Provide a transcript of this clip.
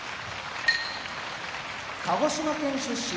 鹿児島県出身